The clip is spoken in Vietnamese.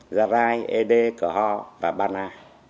già rai ede cờ ho và ba na